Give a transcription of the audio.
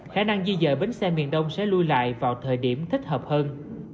khả năng di dời bến xe miền đông sẽ lùi lại vào thời điểm thích hợp hơn